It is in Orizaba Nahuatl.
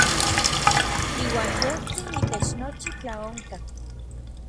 Iuan yejtsin itech nochi tlaonkaj.